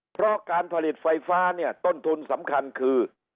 เพราะการผลิตไฟฟ้าเนี่ยต้นทุนสำคัญคือ